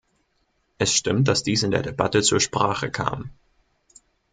Es stimmt, dass dies in der Debatte zur Sprache kam.